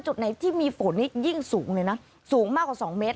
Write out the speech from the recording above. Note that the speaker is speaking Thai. จุดไหนที่มีฝนนี่ยิ่งสูงเลยนะสูงมากกว่า๒เมตร